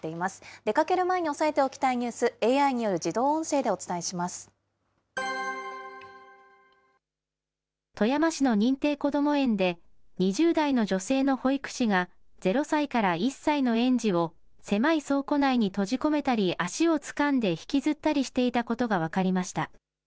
出かける前に押さえておきたいニュース、ＡＩによる自動音声でお富山市の認定こども園で、２０代の女性の保育士が０歳から１歳の園児を狭い倉庫内に閉じ込めたり、足をつかんで引きずったりしていたことが分かりました。